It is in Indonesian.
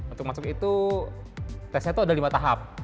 untuk masuk itu tesnya itu ada lima tahap